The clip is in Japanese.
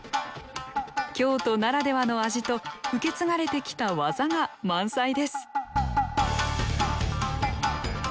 京都ならではの味と受け継がれてきた技が満載です